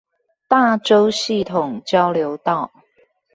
大洲系統交流道